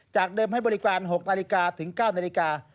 เดิมให้บริการ๖นาฬิกาถึง๙นาฬิกา